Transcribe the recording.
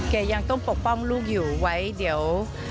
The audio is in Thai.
ยังต้องปกป้องลูกอยู่ไว้เดี๋ยว